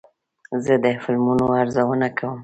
زه د فلمونو ارزونه کوم.